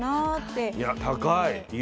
いや高い。